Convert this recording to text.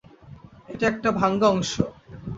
এটা একটা ভাঙ্গা অংশ।